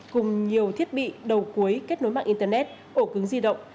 cùng nhiều thiết bị đầu cuối kết nối mạng internet ổ cứng di động